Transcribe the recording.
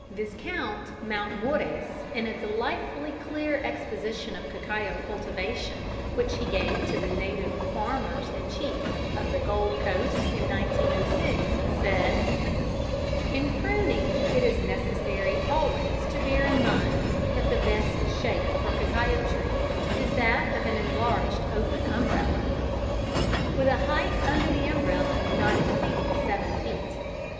_ Viscount Mountmorres, in a delightfully clear exposition of cacao cultivation which he gave to the native farmers and chiefs of the Gold Coast in 1906, said: "In pruning, it is necessary always to bear in mind that the best shape for cacao trees is that of an enlarged open umbrella," with a height under the umbrella not exceeding seven feet.